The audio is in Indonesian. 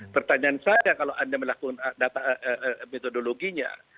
pertanyaan saya kalau anda melakukan metodologinya